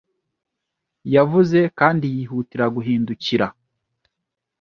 Yavuze kandi yihutira guhindukira